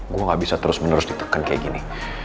gue gak bisa terus menerus ditekan kayak gini